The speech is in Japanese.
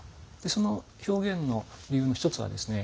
その表現の理由の一つはですね